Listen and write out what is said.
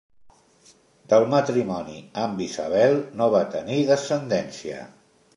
Del matrimoni amb Isabel no va tenir descendència.